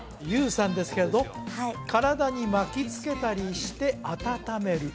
ＹＯＵさんですけれど「体にまきつけたりしてあたためる」